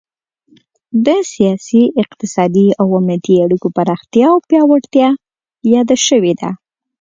د سیاسي، اقتصادي او امنیتي اړیکو پراختیا او پیاوړتیا یاده شوې ده